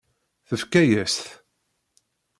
Tefka-yas-t.